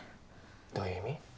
どういう意味？